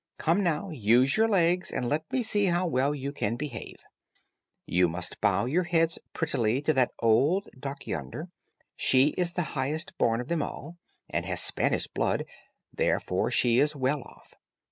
"Come, now, use your legs, and let me see how well you can behave. You must bow your heads prettily to that old duck yonder; she is the highest born of them all, and has Spanish blood, therefore, she is well off.